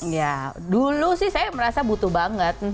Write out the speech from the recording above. ya dulu sih saya merasa butuh banget